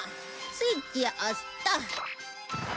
スイッチを押すと。